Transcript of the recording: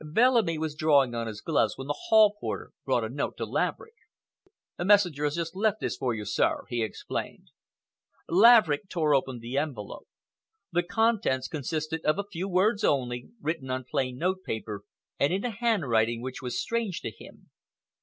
Bellamy was drawing on his gloves when the hall porter brought a note to Laverick. "A messenger has just left this for you, sir," he explained. Laverick tore open the envelope. The contents consisted of a few words only, written on plain note paper and in a handwriting which was strange to him.